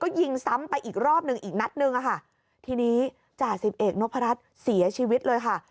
ยิงซ้ำไปอีกรอบหนึ่งอีกนัดหนึ่งอะค่ะทีนี้จ่าสิบเอกนพรัชเสียชีวิตเลยค่ะ